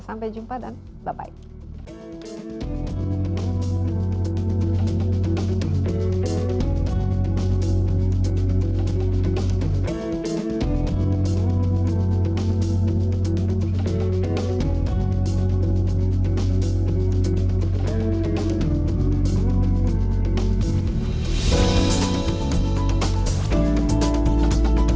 sampai jumpa dan bye bye